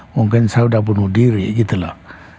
mungkin saya udah bunuh diri gitu loh